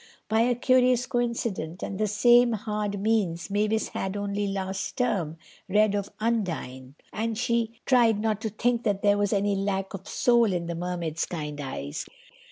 By a curious coincidence and the same hard means, Mavis had, only last term, read of Undine, and she tried not to think that there was any lack of soul in the Mermaid's kind eyes.